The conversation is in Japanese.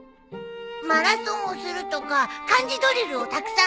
マラソンをするとか漢字ドリルをたくさんやるとか。